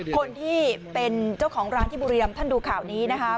คนที่เป็นเจ้าของร้านที่บุรีรำท่านดูข่าวนี้นะคะ